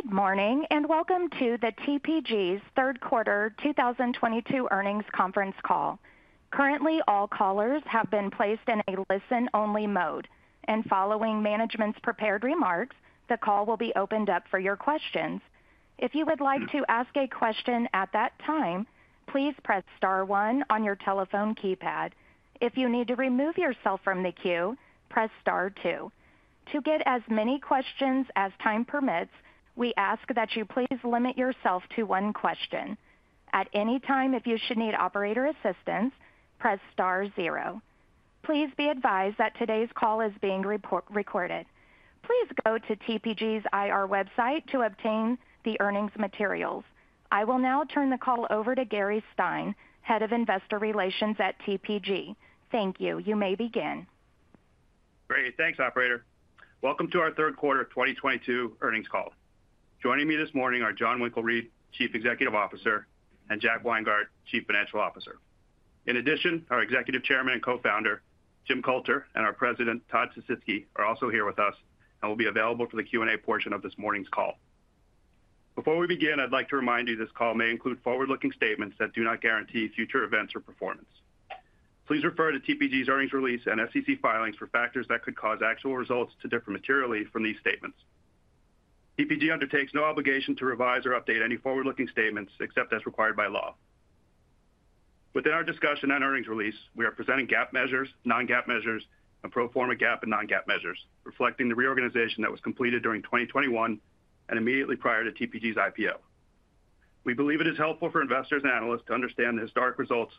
Good morning, and welcome to TPG's third quarter 2022 earnings conference call. Currently, all callers have been placed in a listen-only mode, and following management's prepared remarks, the call will be opened up for your questions. If you would like to ask a question at that time, please press star one on your telephone keypad. If you need to remove yourself from the queue, press star two. To get as many questions as time permits, we ask that you please limit yourself to one question. At any time if you should need operator assistance, press star zero. Please be advised that today's call is being recorded. Please go to TPG's IR website to obtain the earnings materials. I will now turn the call over to Gary Stein, Head of Investor Relations at TPG. Thank you. You may begin. Great. Thanks, operator. Welcome to our third quarter of 2022 earnings call. Joining me this morning are Jon Winkelried, Chief Executive Officer, and Jack Weingart, Chief Financial Officer. In addition, our Executive Chairman and Co-founder, Jim Coulter, and our President, Todd Sisitsky, are also here with us and will be available for the Q&A portion of this morning's call. Before we begin, I'd like to remind you this call may include forward-looking statements that do not guarantee future events or performance. Please refer to TPG's earnings release and SEC filings for factors that could cause actual results to differ materially from these statements. TPG undertakes no obligation to revise or update any forward-looking statements except as required by law. Within our discussion and earnings release, we are presenting GAAP measures, non-GAAP measures, and pro forma GAAP and non-GAAP measures reflecting the reorganization that was completed during 2021 and immediately prior to TPG's IPO. We believe it is helpful for investors and analysts to understand the historic results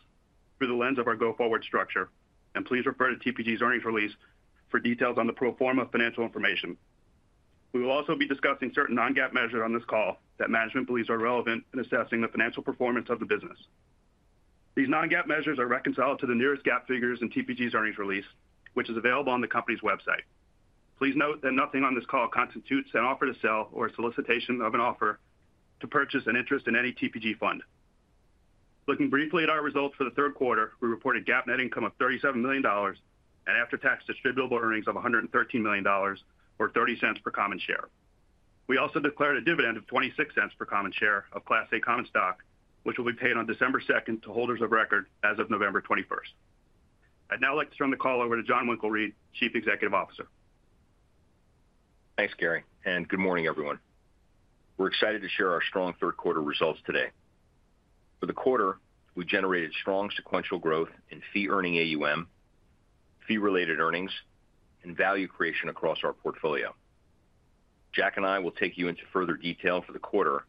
through the lens of our go-forward structure, and please refer to TPG's earnings release for details on the pro forma financial information. We will also be discussing certain non-GAAP measures on this call that management believes are relevant in assessing the financial performance of the business. These non-GAAP measures are reconciled to the nearest GAAP figures in TPG's earnings release, which is available on the company's website. Please note that nothing on this call constitutes an offer to sell or a solicitation of an offer to purchase an interest in any TPG fund. Looking briefly at our results for the third quarter, we reported GAAP net income of $37 million and after-tax distributable earnings of $113 million or $0.30 per common share. We also declared a dividend of $0.26 per common share of Class A common stock, which will be paid on December second to holders of record as of November twenty-first. I'd now like to turn the call over to Jon Winkelried, Chief Executive Officer. Thanks, Gary, and good morning, everyone. We're excited to share our strong third quarter results today. For the quarter, we generated strong sequential growth in fee earning AUM, fee-related earnings, and value creation across our portfolio. Jack and I will take you into further detail for the quarter,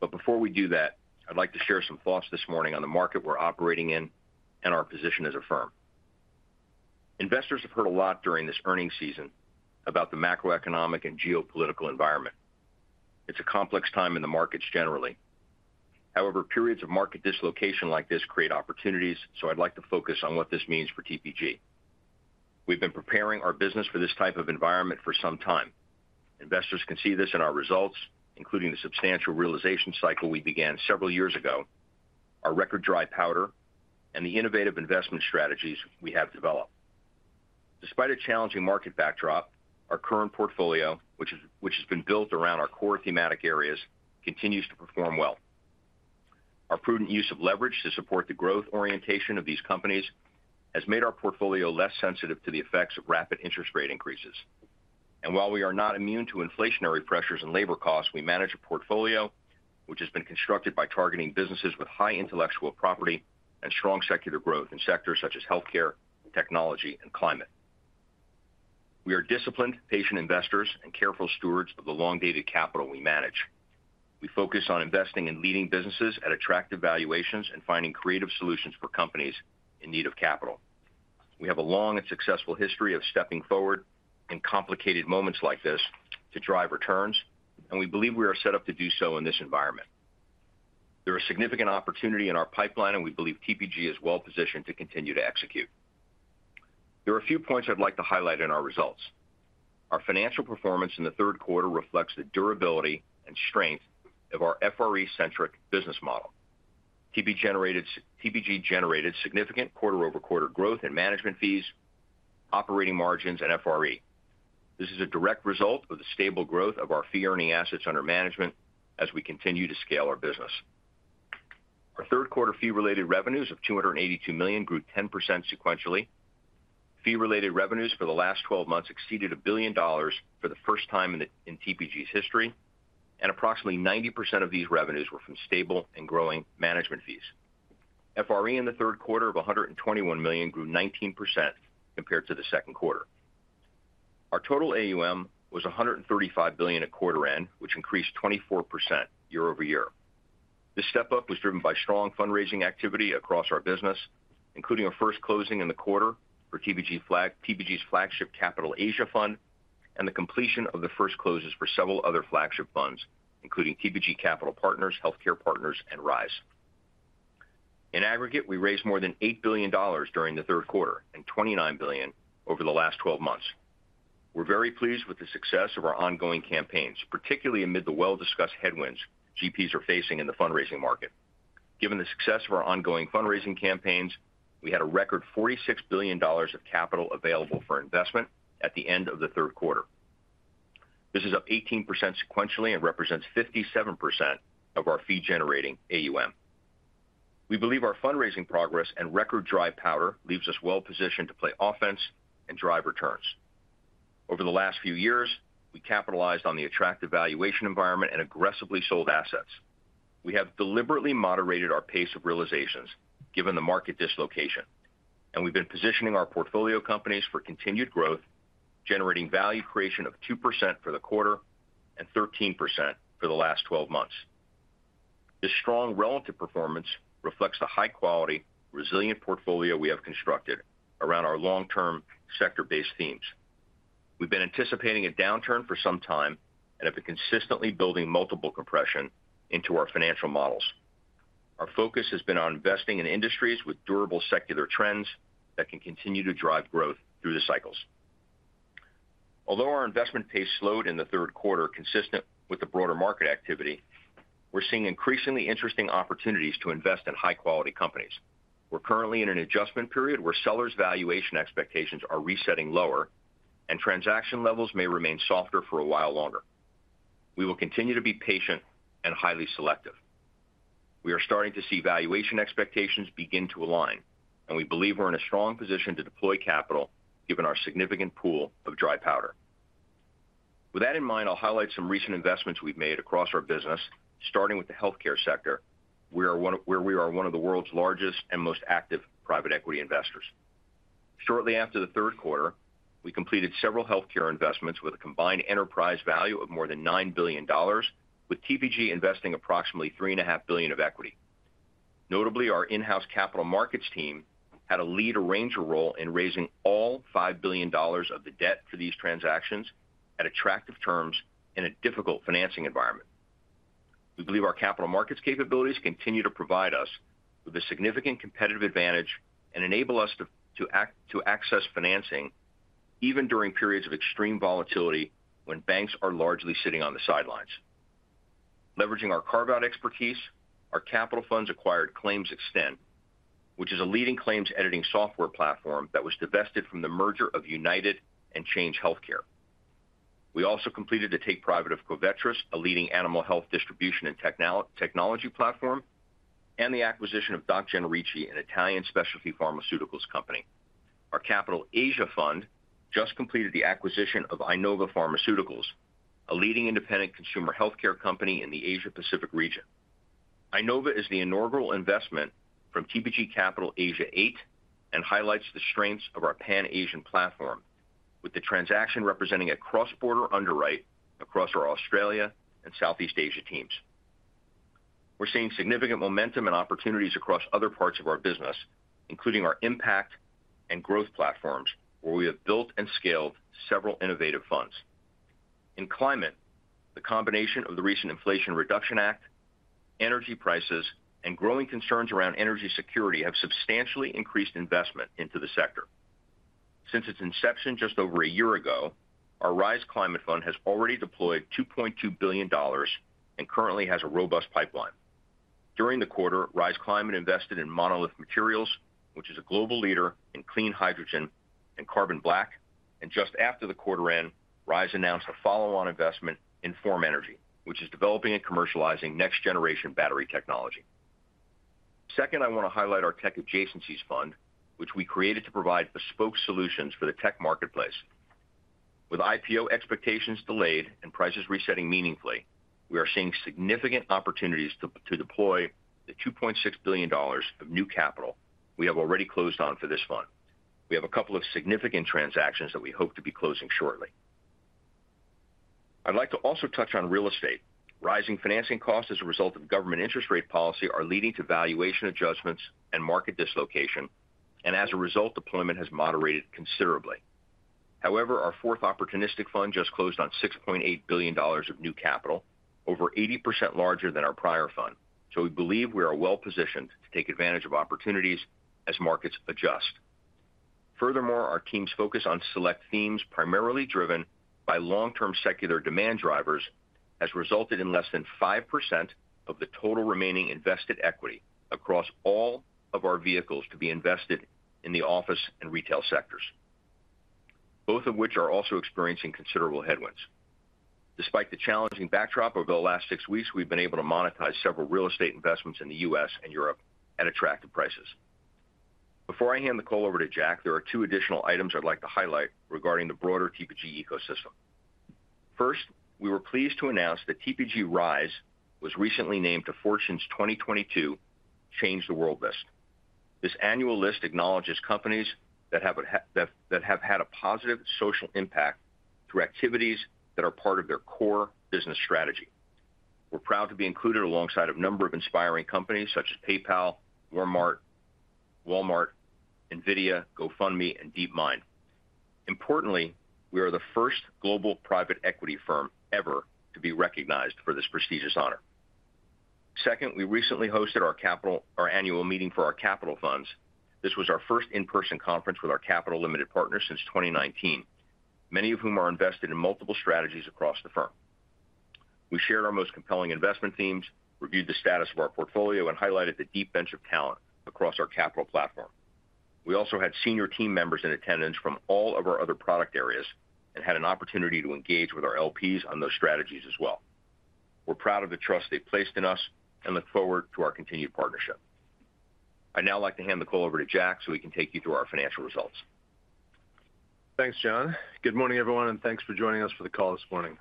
but before we do that, I'd like to share some thoughts this morning on the market we're operating in and our position as a firm. Investors have heard a lot during this earnings season about the macroeconomic and geopolitical environment. It's a complex time in the markets generally. However, periods of market dislocation like this create opportunities, so I'd like to focus on what this means for TPG. We've been preparing our business for this type of environment for some time. Investors can see this in our results, including the substantial realization cycle we began several years ago, our record dry powder, and the innovative investment strategies we have developed. Despite a challenging market backdrop, our current portfolio, which has been built around our core thematic areas, continues to perform well. Our prudent use of leverage to support the growth orientation of these companies has made our portfolio less sensitive to the effects of rapid interest rate increases. While we are not immune to inflationary pressures and labor costs, we manage a portfolio which has been constructed by targeting businesses with high intellectual property and strong secular growth in sectors such as healthcare, technology, and climate. We are disciplined, patient investors and careful stewards of the long-dated capital we manage. We focus on investing in leading businesses at attractive valuations and finding creative solutions for companies in need of capital. We have a long and successful history of stepping forward in complicated moments like this to drive returns, and we believe we are set up to do so in this environment. There are significant opportunity in our pipeline, and we believe TPG is well positioned to continue to execute. There are a few points I'd like to highlight in our results. Our financial performance in the third quarter reflects the durability and strength of our FRE-centric business model. TPG generated significant quarter-over-quarter growth in management fees, operating margins, and FRE. This is a direct result of the stable growth of our fee-earning assets under management as we continue to scale our business. Our third quarter fee-related revenues of $282 million grew 10% sequentially. Fee-related revenues for the last 12 months exceeded $1 billion for the first time in TPG's history, and approximately 90% of these revenues were from stable and growing management fees. FRE in the third quarter of $121 million grew 19% compared to the second quarter. Our total AUM was $135 billion at quarter end, which increased 24% year-over-year. This step-up was driven by strong fundraising activity across our business, including our first closing in the quarter for TPG's flagship Capital Asia Fund, and the completion of the first closes for several other flagship funds, including TPG Capital, TPG Healthcare Partners, and TPG Rise. In aggregate, we raised more than $8 billion during the third quarter and $29 billion over the last 12 months. We're very pleased with the success of our ongoing campaigns, particularly amid the well-discussed headwinds GPs are facing in the fundraising market. Given the success of our ongoing fundraising campaigns, we had a record $46 billion of capital available for investment at the end of the third quarter. This is up 18% sequentially and represents 57% of our fee-generating AUM. We believe our fundraising progress and record dry powder leaves us well positioned to play offense and drive returns. Over the last few years, we capitalized on the attractive valuation environment and aggressively sold assets. We have deliberately moderated our pace of realizations given the market dislocation, and we've been positioning our portfolio companies for continued growth, generating value creation of 2% for the quarter and 13% for the last twelve months. This strong relative performance reflects the high-quality, resilient portfolio we have constructed around our long-term sector-based themes. We've been anticipating a downturn for some time and have been consistently building multiple compression into our financial models. Our focus has been on investing in industries with durable secular trends that can continue to drive growth through the cycles. Although our investment pace slowed in the third quarter, consistent with the broader market activity, we're seeing increasingly interesting opportunities to invest in high-quality companies. We're currently in an adjustment period where sellers' valuation expectations are resetting lower, and transaction levels may remain softer for a while longer. We will continue to be patient and highly selective. We are starting to see valuation expectations begin to align, and we believe we're in a strong position to deploy capital given our significant pool of dry powder. With that in mind, I'll highlight some recent investments we've made across our business, starting with the healthcare sector, where we are one of the world's largest and most active private equity investors. Shortly after the third quarter, we completed several healthcare investments with a combined enterprise value of more than $9 billion, with TPG investing approximately $3.5 billion of equity. Notably, our in-house capital markets team had a lead arranger role in raising all $5 billion of the debt for these transactions at attractive terms in a difficult financing environment. We believe our capital markets capabilities continue to provide us with a significant competitive advantage and enable us to access financing even during periods of extreme volatility when banks are largely sitting on the sidelines. Leveraging our carve-out expertise, our capital funds acquired ClaimsXten, which is a leading claims editing software platform that was divested from the merger of UnitedHealth and Change Healthcare. We also completed the take private of Covetrus, a leading animal health distribution and technology platform, and the acquisition of DOC Generici, an Italian specialty pharmaceuticals company. Our Capital Asia Fund just completed the acquisition of iNova Pharmaceuticals, a leading independent consumer healthcare company in the Asia-Pacific region. iNova is the inaugural investment from TPG Capital Asia VIII and highlights the strengths of our Pan-Asian platform, with the transaction representing a cross-border underwrite across our Australia and Southeast Asia teams. We're seeing significant momentum and opportunities across other parts of our business, including our impact and growth platforms, where we have built and scaled several innovative funds. In climate, the combination of the recent Inflation Reduction Act, energy prices, and growing concerns around energy security have substantially increased investment into the sector. Since its inception just over a year ago, our Rise Climate Fund has already deployed $2.2 billion and currently has a robust pipeline. During the quarter, Rise Climate invested in Monolith Materials, which is a global leader in clean hydrogen and carbon black. Just after the quarter end, Rise announced a follow-on investment in Form Energy, which is developing and commercializing next-generation battery technology. Second, I want to highlight our Tech Adjacencies Fund, which we created to provide bespoke solutions for the tech marketplace. With IPO expectations delayed and prices resetting meaningfully, we are seeing significant opportunities to deploy the $2.6 billion of new capital we have already closed on for this fund. We have a couple of significant transactions that we hope to be closing shortly. I'd like to also touch on real estate. Rising financing costs as a result of government interest rate policy are leading to valuation adjustments and market dislocation, and as a result, deployment has moderated considerably. However, our fourth opportunistic fund just closed on $6.8 billion of new capital, over 80% larger than our prior fund. We believe we are well positioned to take advantage of opportunities as markets adjust. Furthermore, our team's focus on select themes, primarily driven by long-term secular demand drivers, has resulted in less than 5% of the total remaining invested equity across all of our vehicles to be invested in the office and retail sectors, both of which are also experiencing considerable headwinds. Despite the challenging backdrop over the last six weeks, we've been able to monetize several real estate investments in the U.S. and Europe at attractive prices. Before I hand the call over to Jack, there are two additional items I'd like to highlight regarding the broader TPG ecosystem. First, we were pleased to announce that TPG Rise was recently named to Fortune's 2022 Change the World list. This annual list acknowledges companies that have had a positive social impact through activities that are part of their core business strategy. We're proud to be included alongside a number of inspiring companies such as PayPal, Walmart, Nvidia, GoFundMe, and DeepMind. Importantly, we are the first global private equity firm ever to be recognized for this prestigious honor. Second, we recently hosted our annual meeting for our capital funds. This was our first in-person conference with our capital limited partners since 2019. Many of whom are invested in multiple strategies across the firm. We share our most compelling investment themes, review the status of our portfolio, and highlighted the deep bench of talent across our capital platform. We also had senior team members in attendance from all of our other product areas, and had an opportunity to engage with our LPs on those strategies as well. We're proud of the trust they've placed in us and look forward to our continued partnership. I'd now like to hand the call over to Jack, so he can take you through our financial results. Thanks, Jon. Good morning, everyone, and thanks for joining us for the call this morning.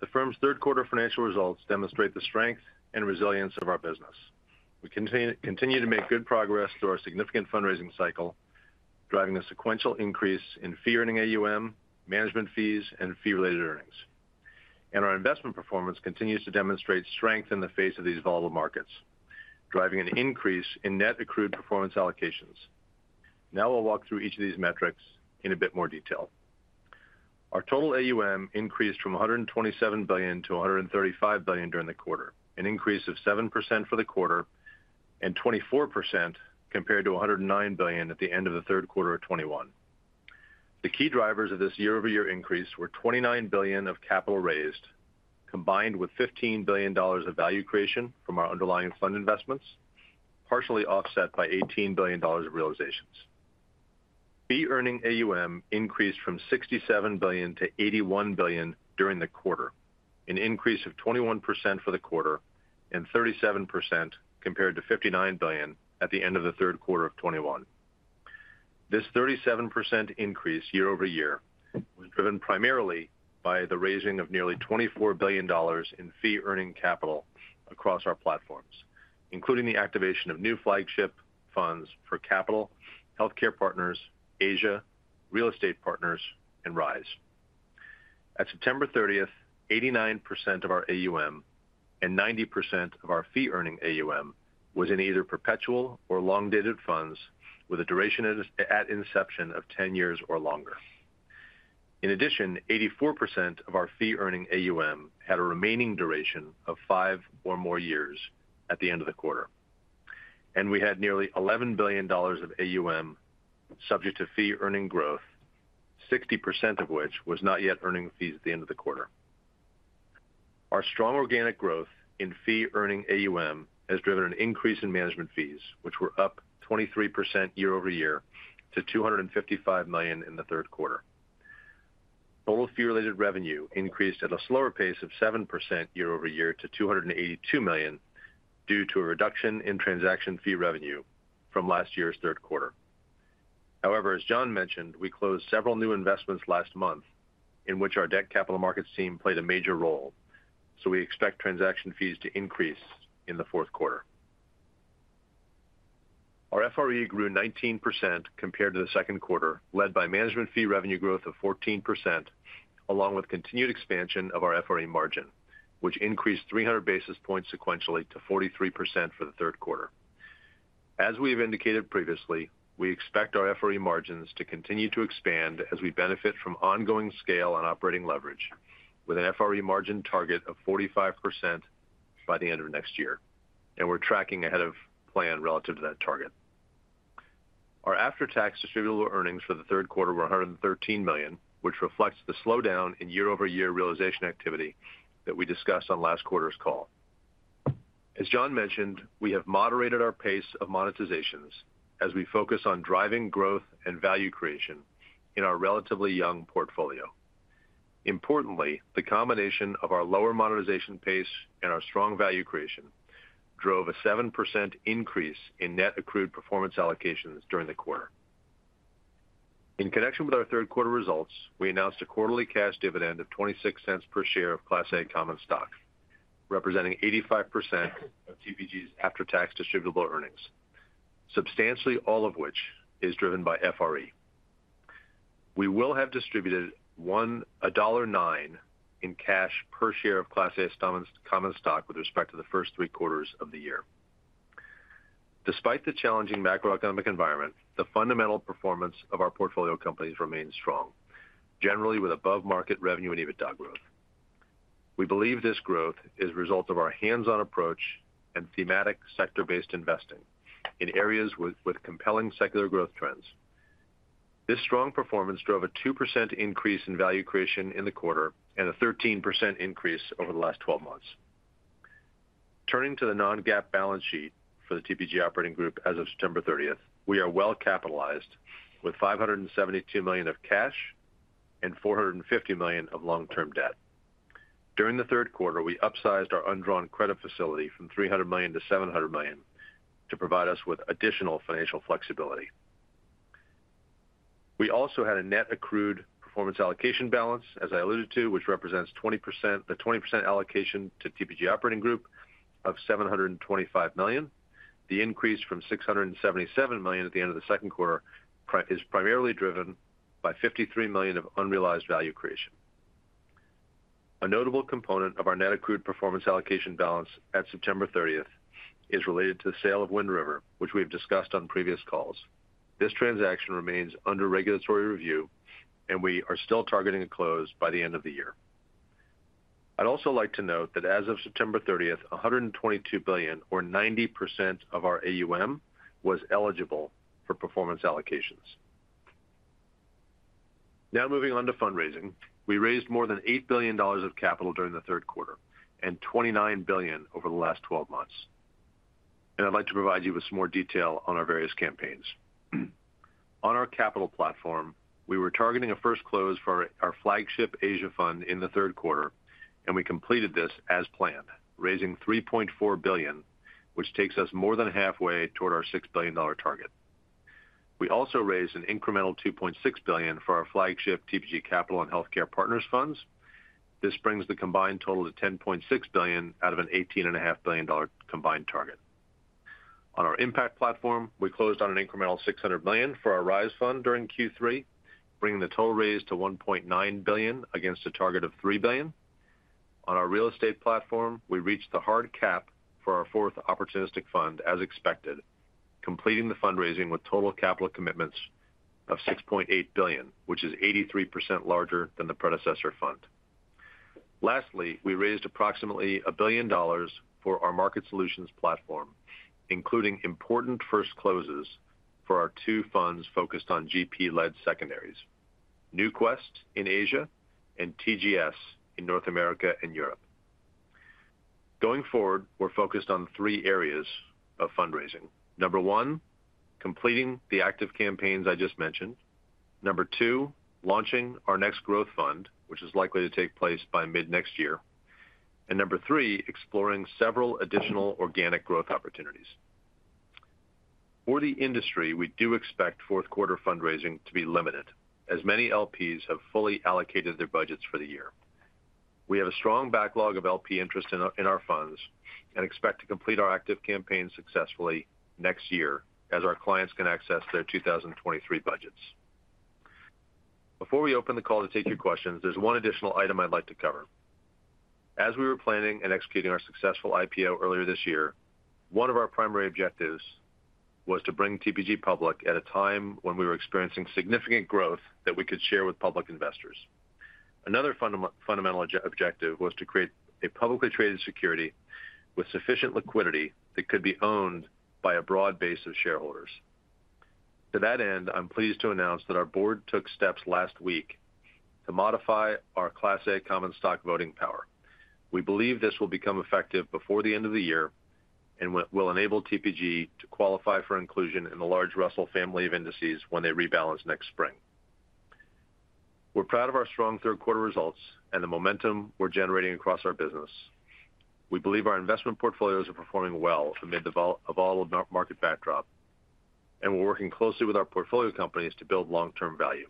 The firm's third quarter financial results demonstrate the strength and resilience of our business. We continue to make good progress through our significant fundraising cycle, driving a sequential increase in fee earning AUM, management fees, and fee-related earnings. Our investment performance continues to demonstrate strength in the face of these volatile markets, driving an increase in net accrued performance allocations. Now we'll walk through each of these metrics in a bit more detail. Our total AUM increased from $127 billion-$135 billion during the quarter. An increase of 7% for the quarter and 24% compared to $109 billion at the end of the third quarter of 2021. The key drivers of this year-over-year increase were $29 billion of capital raised, combined with $15 billion of value creation from our underlying fund investments, partially offset by $18 billion of realizations. Fee earning AUM increased from $67 billion-$81 billion during the quarter. An increase of 21% for the quarter and 37% compared to $59 billion at the end of the third quarter of 2021. This 37% increase year-over-year was driven primarily by the raising of nearly $24 billion in fee earning capital across our platforms, including the activation of new flagship funds for TPG Capital, TPG Healthcare Partners, TPG Capital Asia, TPG Real Estate Partners, and TPG Rise. At September 30, 89% of our AUM and 90% of our fee earning AUM was in either perpetual or long-dated funds with a duration at inception of 10 years or longer. In addition, 84% of our fee earning AUM had a remaining duration of five or more years at the end of the quarter. We had nearly $11 billion of AUM subject to fee earning growth, 60% of which was not yet earning fees at the end of the quarter. Our strong organic growth in fee earning AUM has driven an increase in management fees, which were up 23% year-over-year to $255 million in the third quarter. Total fee-related revenue increased at a slower pace of 7% year-over-year to $282 million due to a reduction in transaction fee revenue from last year's third quarter. However, as Jon mentioned, we closed several new investments last month in which our debt capital markets team played a major role, so we expect transaction fees to increase in the fourth quarter. Our FRE grew 19% compared to the second quarter, led by management fee revenue growth of 14%, along with continued expansion of our FRE margin, which increased 300 basis points sequentially to 43% for the third quarter. As we've indicated previously, we expect our FRE margins to continue to expand as we benefit from ongoing scale and operating leverage with an FRE margin target of 45% by the end of next year. We're tracking ahead of plan relative to that target. Our after-tax distributable earnings for the third quarter were $113 million, which reflects the slowdown in year-over-year realization activity that we discussed on last quarter's call. As Jon mentioned, we have moderated our pace of monetizations as we focus on driving growth and value creation in our relatively young portfolio. Importantly, the combination of our lower monetization pace and our strong value creation drove a 7% increase in net accrued performance allocations during the quarter. In connection with our third quarter results, we announced a quarterly cash dividend of $0.26 per share of Class A common stock, representing 85% of TPG's after-tax distributable earnings, substantially all of which is driven by FRE. We will have distributed $1.09 in cash per share of Class A common stock with respect to the first three quarters of the year. Despite the challenging macroeconomic environment, the fundamental performance of our portfolio companies remains strong, generally with above-market revenue and EBITDA growth. We believe this growth is a result of our hands-on approach and thematic sector-based investing in areas with compelling secular growth trends. This strong performance drove a 2% increase in value creation in the quarter and a 13% increase over the last 12 months. Turning to the non-GAAP balance sheet for the TPG operating group as of September 30th. We are well capitalized with $572 million of cash and $450 million of long-term debt. During the third quarter, we upsized our undrawn credit facility from $300 million-$700 million to provide us with additional financial flexibility. We also had a net accrued performance allocation balance, as I alluded to, which represents 20%, the 20% allocation to TPG operating group of $725 million. The increase from $677 million at the end of the second quarter is primarily driven by $53 million of unrealized value creation. A notable component of our net accrued performance allocation balance at September thirtieth is related to the sale of Wind River, which we have discussed on previous calls. This transaction remains under regulatory review, and we are still targeting a close by the end of the year. I'd also like to note that as of September 30th, $122 billion or 90% of our AUM was eligible for performance allocations. Now moving on to fundraising. We raised more than $8 billion of capital during the third quarter and $29 billion over the last twelve months. I'd like to provide you with some more detail on our various campaigns. On our capital platform, we were targeting a first close for our flagship Asia fund in the third quarter, and we completed this as planned, raising $3.4 billion, which takes us more than halfway toward our $6 billion target. We also raised an incremental $2.6 billion for our flagship TPG Capital and TPG Healthcare Partners funds. This brings the combined total to $10.6 billion out of an $18.5 billion combined target. On our impact platform, we closed on an incremental $600 million for our Rise Fund during Q3, bringing the total raise to $1.9 billion against a target of $3 billion. On our real estate platform, we reached the hard cap for our fourth opportunistic fund as expected, completing the fundraising with total capital commitments of $6.8 billion, which is 83% larger than the predecessor fund. Lastly, we raised approximately $1 billion for our market solutions platform, including important first closes for our two funds focused on GP-led secondaries, NewQuest in Asia and TGS in North America and Europe. Going forward, we're focused on three areas of fundraising. Number one, completing the active campaigns I just mentioned. Number two, launching our next growth fund, which is likely to take place by mid-next year. Number three, exploring several additional organic growth opportunities. For the industry, we do expect fourth quarter fundraising to be limited, as many LPs have fully allocated their budgets for the year. We have a strong backlog of LP interest in our funds and expect to complete our active campaign successfully next year as our clients can access their 2023 budgets. Before we open the call to take your questions, there's one additional item I'd like to cover. As we were planning and executing our successful IPO earlier this year, one of our primary objectives was to bring TPG public at a time when we were experiencing significant growth that we could share with public investors. Another fundamental objective was to create a publicly traded security with sufficient liquidity that could be owned by a broad base of shareholders. To that end, I'm pleased to announce that our board took steps last week to modify our Class A common stock voting power. We believe this will become effective before the end of the year and will enable TPG to qualify for inclusion in the large Russell family of indices when they rebalance next spring. We're proud of our strong third quarter results and the momentum we're generating across our business. We believe our investment portfolios are performing well amid the evolved market backdrop, and we're working closely with our portfolio companies to build long-term value.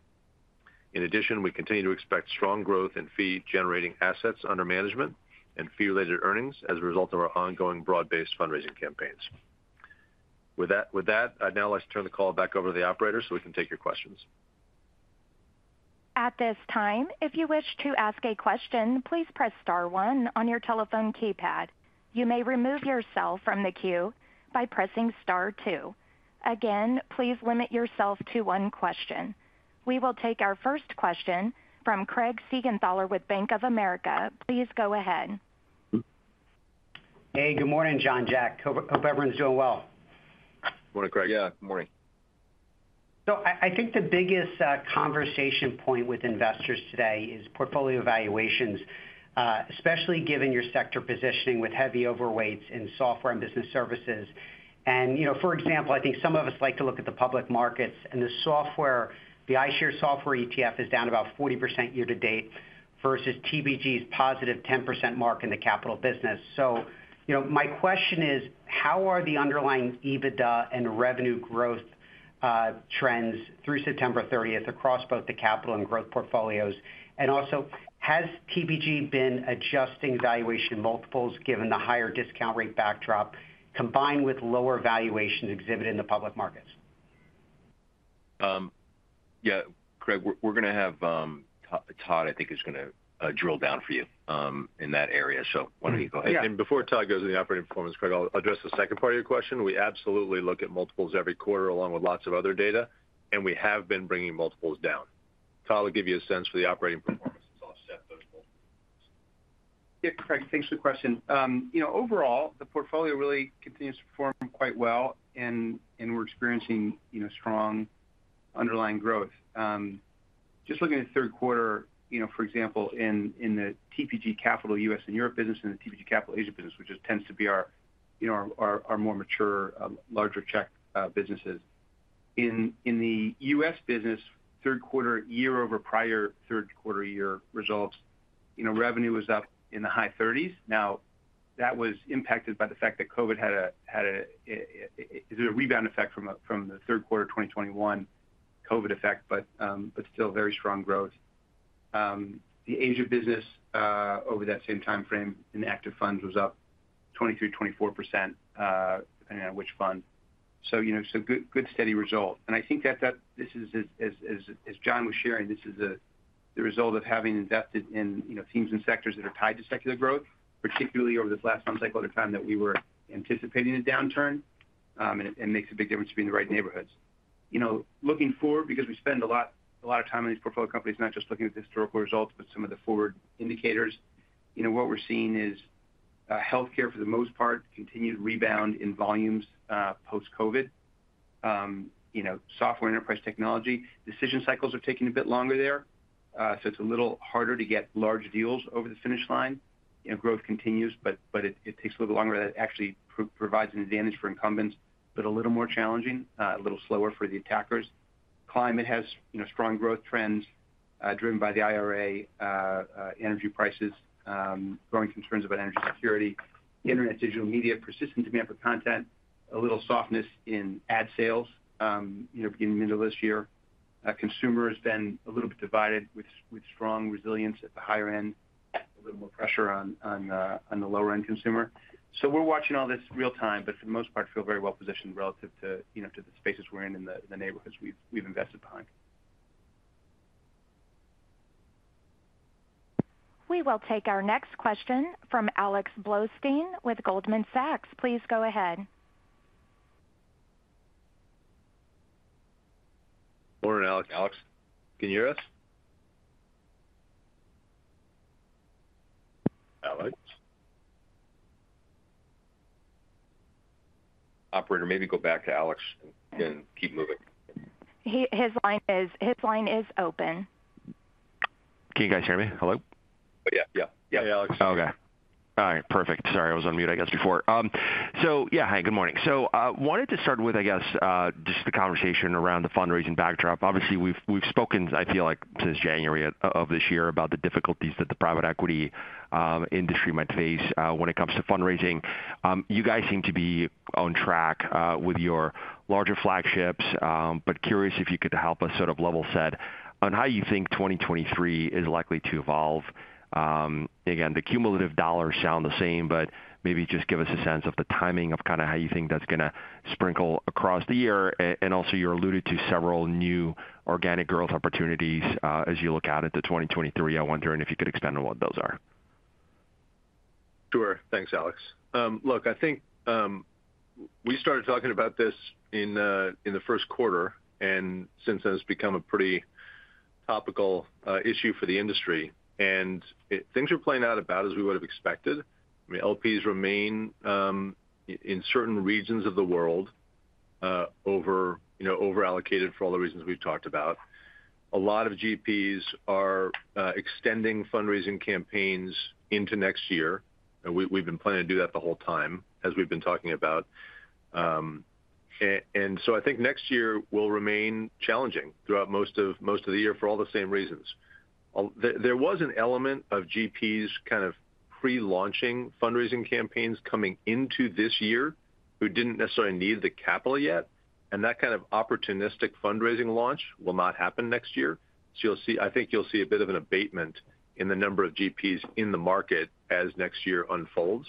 In addition, we continue to expect strong growth in fee generating assets under management and fee-related earnings as a result of our ongoing broad-based fundraising campaigns. With that, I'd now like to turn the call back over to the operator so we can take your questions. At this time, if you wish to ask a question, please press star one on your telephone keypad. You may remove yourself from the queue by pressing star two. Again, please limit yourself to one question. We will take our first question from Craig Siegenthaler with Bank of America. Please go ahead. Hey, good morning, Jon Winkelried, Jack Weingart. Hope everyone's doing well. Morning, Craig. Yeah, good morning. I think the biggest conversation point with investors today is portfolio evaluations, especially given your sector positioning with heavy overweights in software and business services. You know, for example, I think some of us like to look at the public markets and the software, the iShares software ETF is down about 40% year to date versus TPG's positive 10% mark in the capital business. You know, my question is, how are the underlying EBITDA and revenue growth trends through September thirtieth across both the capital and growth portfolios? Also, has TPG been adjusting valuation multiples given the higher discount rate backdrop combined with lower valuations exhibited in the public markets? Yeah, Craig, we're gonna have Todd, I think, is gonna drill down for you in that area. Why don't you go ahead. Yeah. Before Todd goes to the operating performance, Craig, I'll address the second part of your question. We absolutely look at multiples every quarter along with lots of other data, and we have been bringing multiples down. Todd will give you a sense for the operating performance since I'll set those goals. Yeah, Craig. Thanks for the question. You know, overall, the portfolio really continues to perform quite well and we're experiencing, you know, strong underlying growth. Just looking at the third quarter, you know, for example, in the TPG Capital U.S. and Europe business and the TPG Capital Asia business, which tends to be our, you know, our more mature, larger check businesses. In the U.S. business, third quarter year-over-year results, you know, revenue was up in the high 30s%. Now, that was impacted by the fact that COVID had a rebound effect from the third quarter of 2021 COVID effect, but still very strong growth. The Asia business over that same time frame in active funds was up 23%-24%, depending on which fund. You know, so good steady result. I think that this is, as Jon was sharing, the result of having invested in, you know, teams and sectors that are tied to secular growth, particularly over this last fund cycle at a time that we were anticipating a downturn, and it makes a big difference between the right neighborhoods. You know, looking forward, because we spend a lot of time on these portfolio companies, not just looking at the historical results, but some of the forward indicators. You know, what we're seeing is, healthcare for the most part continued to rebound in volumes, post-COVID. You know, software enterprise technology decision cycles are taking a bit longer there. So it's a little harder to get large deals over the finish line. You know, growth continues, but it takes a little bit longer. That actually provides an advantage for incumbents, but a little more challenging, a little slower for the attackers. Climate has strong growth trends driven by the IRA, energy prices, growing concerns about energy security. Internet, digital media, persistent demand for content. A little softness in ad sales, beginning of middle of this year. Consumer has been a little bit divided with strong resilience at the higher end, a little more pressure on the lower-end consumer. We're watching all this real time, but for the most part feel very well positioned relative to the spaces we're in and the neighborhoods we've invested behind. We will take our next question from Alexander Blostein with Goldman Sachs. Please go ahead. Morning, Alex. Alex, can you hear us? Alex? Operator, maybe go back to Alex and keep moving. His line is open. Can you guys hear me? Hello? Yeah, Alex. Okay. All right. Perfect. Sorry, I was on mute, I guess, before. Yeah. Hi, good morning. Wanted to start with, I guess, just the conversation around the fundraising backdrop. Obviously, we've spoken, I feel like since January of this year about the difficulties that the private equity industry might face when it comes to fundraising. You guys seem to be on track with your larger flagships. Curious if you could help us sort of level set on how you think 2023 is likely to evolve. Again, the cumulative dollars sound the same, but maybe just give us a sense of the timing of kinda how you think that's gonna sprinkle across the year. Also, you alluded to several new organic growth opportunities as you look out at 2023. I wonder if you could expand on what those are. Sure. Thanks, Alex. Look, I think we started talking about this in the first quarter, and since then it's become a pretty topical issue for the industry. Things are playing out about as we would've expected. I mean, LPs remain in certain regions of the world over, you know, over-allocated for all the reasons we've talked about. A lot of GPs are extending fundraising campaigns into next year, and we've been planning to do that the whole time, as we've been talking about. I think next year will remain challenging throughout most of the year for all the same reasons. There was an element of GPs kind of pre-launching fundraising campaigns coming into this year who didn't necessarily need the capital yet, and that kind of opportunistic fundraising launch will not happen next year. You'll see, I think, a bit of an abatement in the number of GPs in the market as next year unfolds,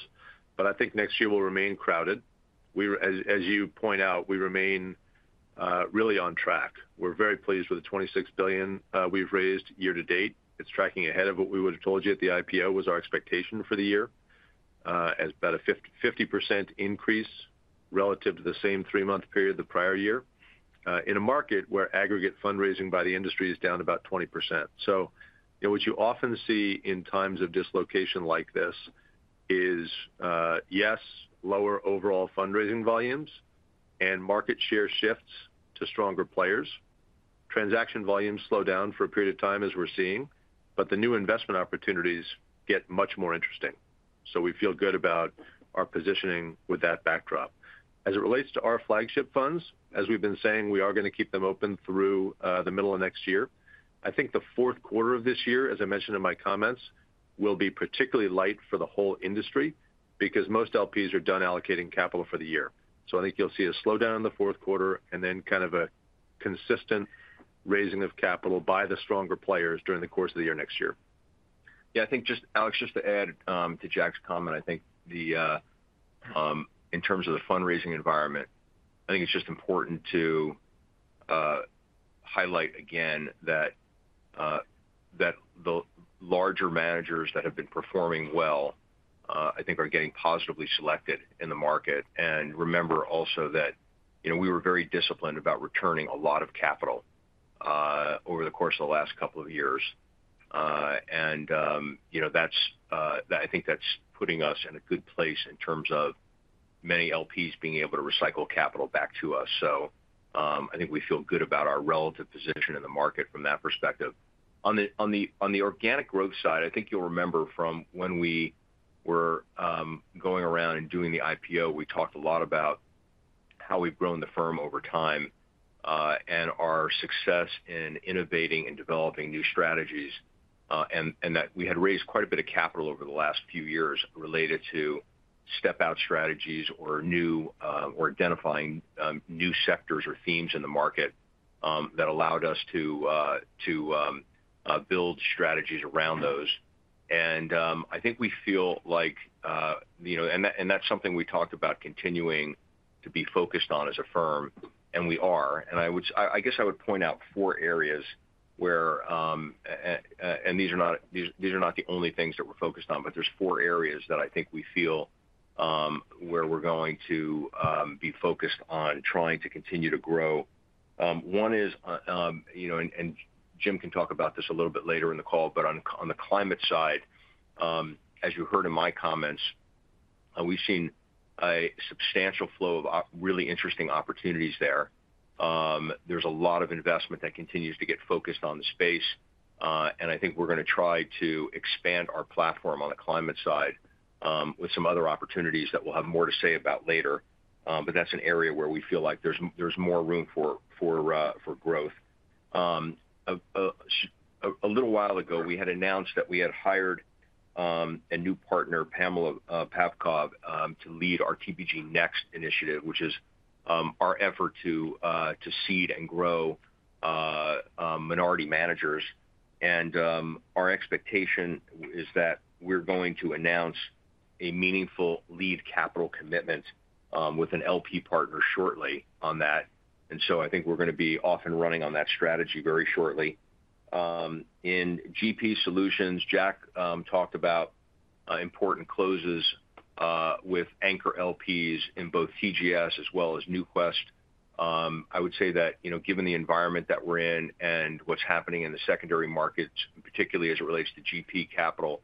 but I think next year will remain crowded. As you point out, we remain really on track. We're very pleased with the $26 billion we've raised year to date. It's tracking ahead of what we would've told you at the IPO was our expectation for the year, as about a 50% increase relative to the same three-month period the prior year, in a market where aggregate fundraising by the industry is down about 20%. You know, what you often see in times of dislocation like this is, yes, lower overall fundraising volumes and market share shifts to stronger players. Transaction volumes slow down for a period of time, as we're seeing, but the new investment opportunities get much more interesting. We feel good about our positioning with that backdrop. As it relates to our flagship funds, as we've been saying, we are gonna keep them open through the middle of next year. I think the fourth quarter of this year, as I mentioned in my comments, will be particularly light for the whole industry because most LPs are done allocating capital for the year. I think you'll see a slowdown in the fourth quarter and then kind of a consistent raising of capital by the stronger players during the course of the year next year. Yeah, I think just Alex, just to add to Jack's comment, I think the in terms of the fundraising environment, I think it's just important to highlight again that that the larger managers that have been performing well, I think are getting positively selected in the market. Remember also that, you know, we were very disciplined about returning a lot of capital over the course of the last couple of years. You know, that's, I think that's putting us in a good place in terms of many LPs being able to recycle capital back to us. I think we feel good about our relative position in the market from that perspective. On the organic growth side, I think you'll remember from when we were going around and doing the IPO, we talked a lot about how we've grown the firm over time, and our success in innovating and developing new strategies. That we had raised quite a bit of capital over the last few years related to step-out strategies or new or identifying new sectors or themes in the market that allowed us to build strategies around those. I think we feel like that's something we talked about continuing to be focused on as a firm, and we are. I guess I would point out four areas where these are not the only things that we're focused on, but there are four areas that I think we feel where we're going to be focused on trying to continue to grow. One is, you know, Jim can talk about this a little bit later in the call, but on the climate side, as you heard in my comments, we've seen a substantial flow of really interesting opportunities there. There's a lot of investment that continues to get focused on the space. I think we're gonna try to expand our platform on the climate side with some other opportunities that we'll have more to say about later. That's an area where we feel like there's more room for growth. A little while ago, we had announced that we had hired a new partner, Pamela Pavkov, to lead our TPG NEXT initiative, which is our effort to seed and grow minority managers. Our expectation is that we're going to announce a meaningful lead capital commitment with an LP partner shortly on that. I think we're gonna be off and running on that strategy very shortly. In GP Solutions, Jack talked about important closes with anchor LPs in both TGS as well as NewQuest. I would say that, you know, given the environment that we're in and what's happening in the secondary markets, and particularly as it relates to GP capital,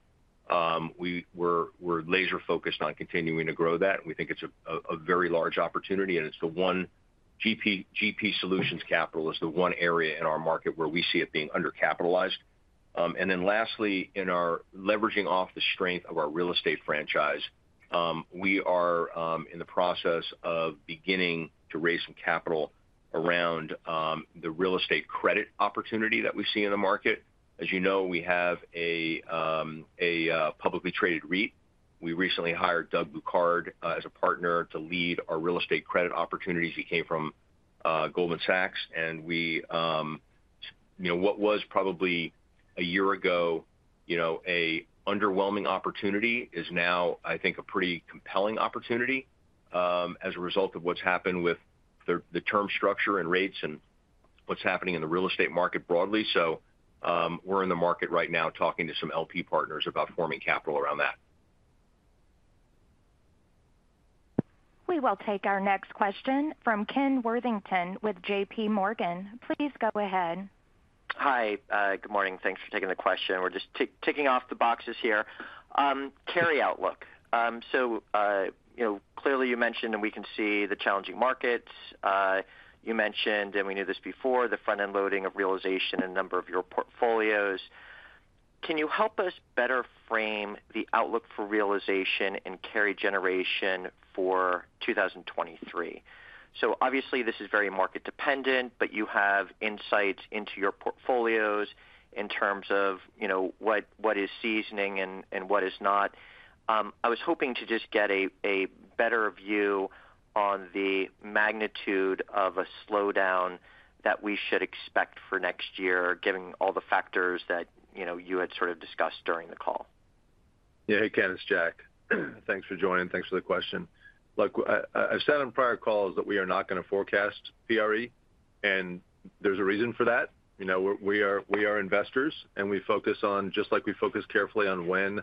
we're laser focused on continuing to grow that, and we think it's a very large opportunity, and it's the one GP Solutions capital is the one area in our market where we see it being undercapitalized. Lastly, in our leveraging off the strength of our real estate franchise, we are in the process of beginning to raise some capital around the real estate credit opportunity that we see in the market. As you know, we have a publicly traded REIT. We recently hired Doug Bouquard as a partner to lead our real estate credit opportunities. He came from Goldman Sachs. We, you know, what was probably a year ago, you know, a underwhelming opportunity is now, I think, a pretty compelling opportunity, as a result of what's happened with the term structure and rates and what's happening in the real estate market broadly. We're in the market right now talking to some LP partners about forming capital around that. We will take our next question from Ken Worthington with JPMorgan. Please go ahead. Hi. Good morning. Thanks for taking the question. We're just ticking off the boxes here. Carry outlook. You know, clearly, you mentioned and we can see the challenging markets. You mentioned, and we knew this before, the front-end loading of realization in a number of your portfolios. Can you help us better frame the outlook for realization and carry generation for 2023? Obviously, this is very market dependent, but you have insights into your portfolios in terms of, you know, what is seasoning and what is not. I was hoping to just get a better view on the magnitude of a slowdown that we should expect for next year, given all the factors that, you know, you had sort of discussed during the call. Yeah. Hey, Ken, it's Jack. Thanks for joining. Thanks for the question. Look, I've said on prior calls that we are not gonna forecast PRE, and there's a reason for that. You know, we are investors, and we focus on just like we focus carefully on when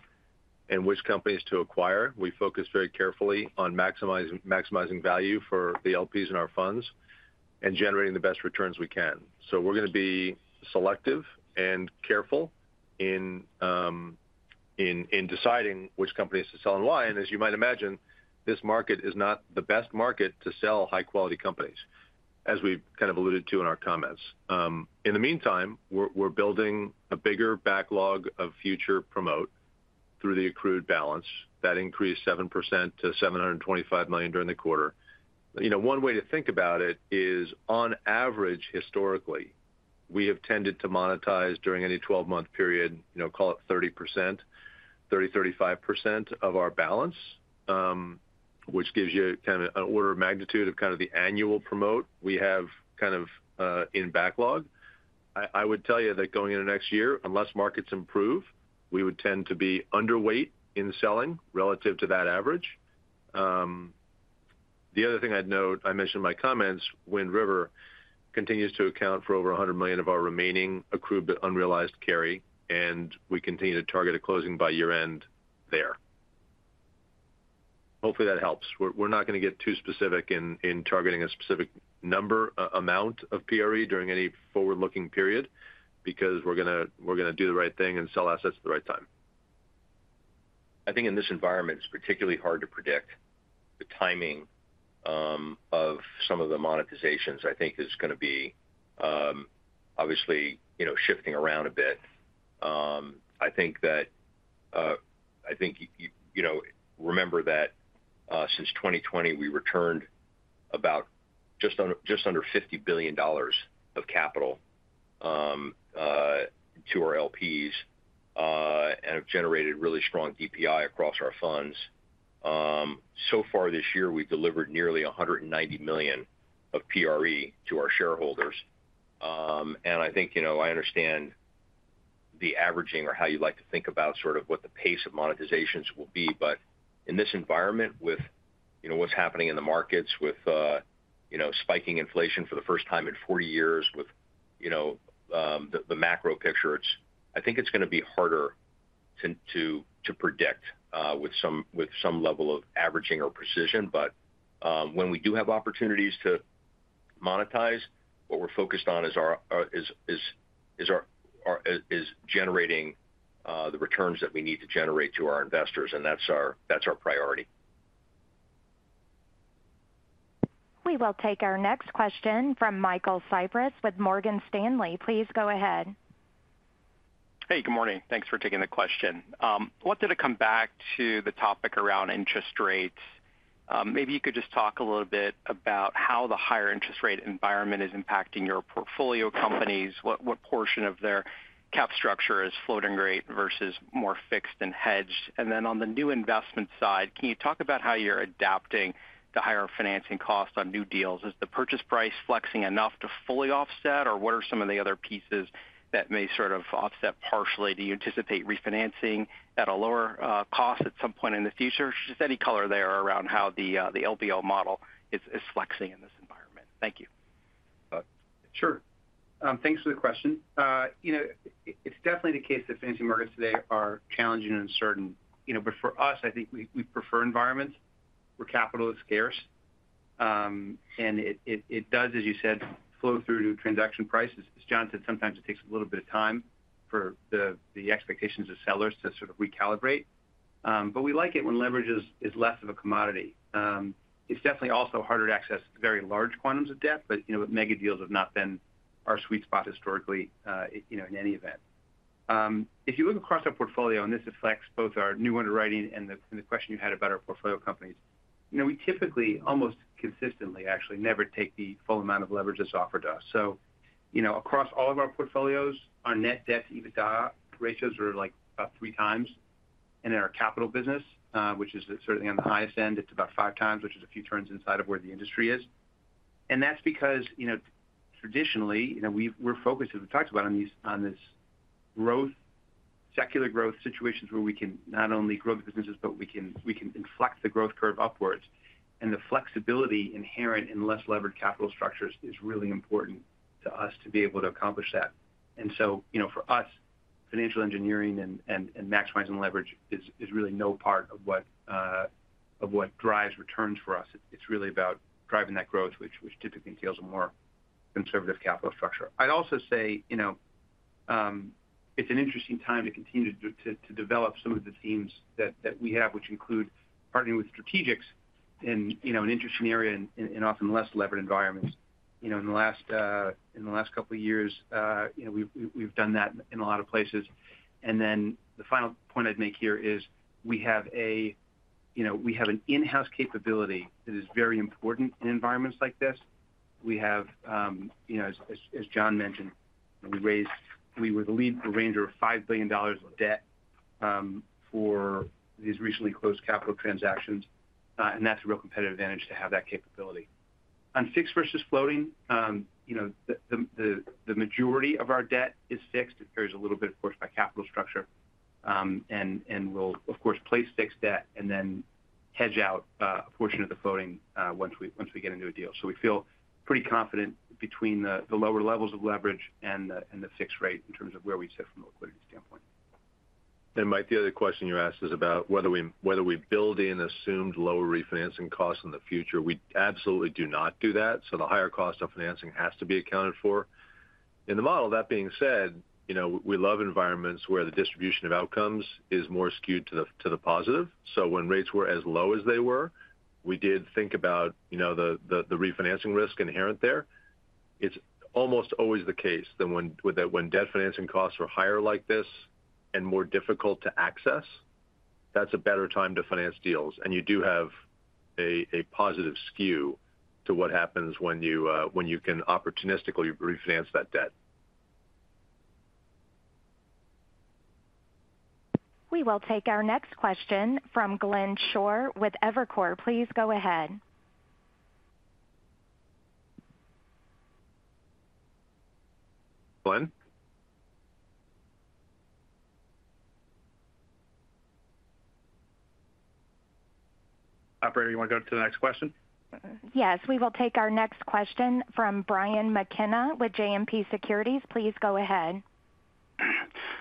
and which companies to acquire, we focus very carefully on maximizing value for the LPs in our funds and generating the best returns we can. We're gonna be selective and careful in deciding which companies to sell and why. As you might imagine, this market is not the best market to sell high-quality companies, as we've kind of alluded to in our comments. In the meantime, we're building a bigger backlog of future promote through the accrued balance. That increased 7% to $725 million during the quarter. You know, one way to think about it is, on average, historically, we have tended to monetize during any 12 month period, you know, call it 30%-35% of our balance, which gives you kind of an order of magnitude of kind of the annual promote we have kind of in backlog. I would tell you that going into next year, unless markets improve, we would tend to be underweight in selling relative to that average. The other thing I'd note, I mentioned in my comments, Wind River continues to account for over $100 million of our remaining accrued but unrealized carry, and we continue to target a closing by year-end there. Hopefully, that helps. We're not gonna get too specific in targeting a specific number, amount of PRE during any forward-looking period because we're gonna do the right thing and sell assets at the right time. I think in this environment, it's particularly hard to predict the timing of some of the monetizations. I think it's gonna be obviously, you know, shifting around a bit. I think you know, remember that since 2020, we returned about just under $50 billion of capital to our LPs and have generated really strong DPI across our funds. So far this year, we've delivered nearly $190 million of PRE to our shareholders. I think, you know, I understand the averaging or how you like to think about sort of what the pace of monetizations will be, but in this environment with You know, what's happening in the markets with you know, spiking inflation for the first time in 40 years with you know, the macro picture. I think it's gonna be harder to predict with some level of averaging or precision. When we do have opportunities to monetize, what we're focused on is generating the returns that we need to generate to our investors, and that's our priority. We will take our next question from Michael Cyprys with Morgan Stanley. Please go ahead. Hey, good morning. Thanks for taking the question. Wanted to come back to the topic around interest rates. Maybe you could just talk a little bit about how the higher interest rate environment is impacting your portfolio companies. What portion of their cap structure is floating rate versus more fixed and hedged? And then on the new investment side, can you talk about how you're adapting to higher financing costs on new deals? Is the purchase price flexing enough to fully offset, or what are some of the other pieces that may sort of offset partially? Do you anticipate refinancing at a lower cost at some point in the future? Just any color there around how the LBO model is flexing in this environment. Thank you. Uh. Sure. Thanks for the question. You know, it's definitely the case that financing markets today are challenging and uncertain. You know, but for us, I think we prefer environments where capital is scarce. It does, as you said, flow through to transaction prices. As Jon said, sometimes it takes a little bit of time for the expectations of sellers to sort of recalibrate. But we like it when leverage is less of a commodity. It's definitely also harder to access very large quantums of debt, but, you know, mega deals have not been our sweet spot historically, you know, in any event. If you look across our portfolio, and this affects both our new underwriting and the question you had about our portfolio companies, you know, we typically, almost consistently actually, never take the full amount of leverage that's offered to us. You know, across all of our portfolios, our net debt EBITDA ratios are, like, about 3x. In our capital business, which is certainly on the highest end, it's about 5x, which is a few turns inside of where the industry is. That's because, you know, traditionally, you know, we're focused, as we talked about, on this growth, secular growth situations where we can not only grow the businesses, but we can inflect the growth curve upwards. The flexibility inherent in less levered capital structures is really important to us to be able to accomplish that. You know, for us, financial engineering and maximizing leverage is really no part of what drives returns for us. It's really about driving that growth, which typically entails a more conservative capital structure. I'd also say, you know, it's an interesting time to continue to develop some of the themes that we have, which include partnering with strategics in, you know, an interesting area and in often less levered environments. You know, in the last couple of years, you know, we've done that in a lot of places. The final point I'd make here is we have, you know, an in-house capability that is very important in environments like this. We have, you know, as Jon mentioned, we were the lead arranger of $5 billion of debt for these recently closed capital transactions. That's a real competitive advantage to have that capability. On fixed versus floating, you know, the majority of our debt is fixed. It varies a little bit, of course, by capital structure. We'll of course place fixed debt and then hedge out a portion of the floating once we get into a deal. We feel pretty confident between the lower levels of leverage and the fixed rate in terms of where we sit from an equity standpoint. Mike, the other question you asked is about whether we build in assumed lower refinancing costs in the future. We absolutely do not do that. The higher cost of financing has to be accounted for. In the model, that being said, you know, we love environments where the distribution of outcomes is more skewed to the positive. When rates were as low as they were, we did think about, you know, the refinancing risk inherent there. It's almost always the case that when debt financing costs are higher like this and more difficult to access, that's a better time to finance deals. You do have a positive skew to what happens when you can opportunistically refinance that debt. We will take our next question from Glenn Schorr with Evercore. Please go ahead. Glenn? Operator, you wanna go to the next question? Yes. We will take our next question from Brian McKenna with JMP Securities. Please go ahead.